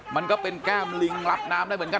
มันก็เป็นแก้มลิงรับน้ำได้เหมือนกัน